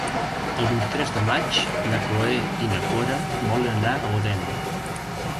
El vint-i-tres de maig na Cloè i na Cora volen anar a Odèn.